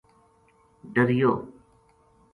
ڈریور